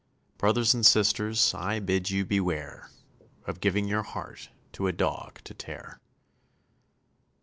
Brothers and sisters, I bid you beware Of giving your heart to a dog to tear.